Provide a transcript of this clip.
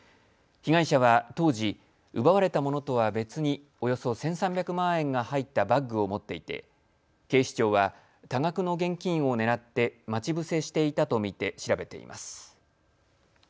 被害者は当時、奪われたものとは別におよそ１３００万円が入ったバッグを持っていて警視庁は多額の現金を狙って待ち伏せしていたと見て調べています。